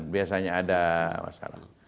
biasanya ada masalah